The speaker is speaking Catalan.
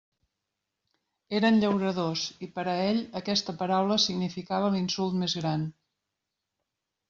Eren «llauradors», i per a ell aquesta paraula significava l'insult més gran.